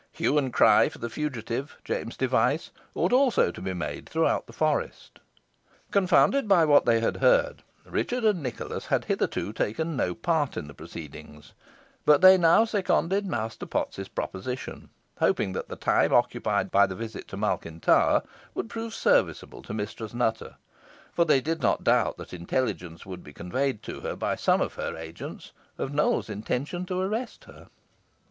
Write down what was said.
Hue and cry for the fugitive, James Device, ought also to be made throughout the forest. Confounded by what they heard, Richard and Nicholas had hitherto taken no part in the proceedings, but they now seconded Master Potts's proposition, hoping that the time occupied by the visit to Malkin Tower would prove serviceable to Mistress Nutter; for they did not doubt that intelligence would be conveyed to her by some of her agents, of Nowell's intention to arrest her.